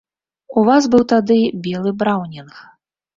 У вас быў тады белы браўнінг.